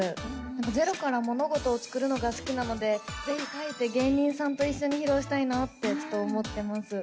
ゼロから物事を作るのが好きなのでぜひ書いて芸人さんと一緒に披露したいなって思っています。